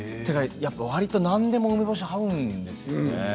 何でも梅干しは合うんですよね。